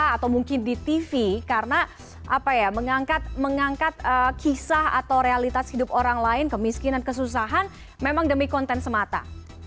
atau mungkin di tv karena apa ya mengangkat kisah atau realitas hidup orang lain kemiskinan kesusahan memang demi konten semata